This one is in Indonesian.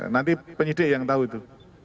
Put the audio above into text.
nanti penyidik yang tahu itu